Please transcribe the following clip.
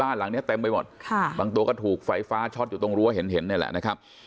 หลังเนี้ยเต็มไปหมดค่ะบางตัวก็ถูกไฟฟ้าช็อตอยู่ตรงรั้วเห็นเห็นนี่แหละนะครับ